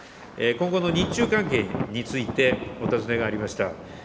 今後の日中関係についてお尋ねがありました。